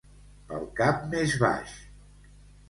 Pel cap més baix.